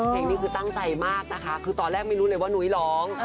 เพลงนี้คือตั้งใจมากนะคะคือตอนแรกไม่รู้เลยว่านุ้ยร้อง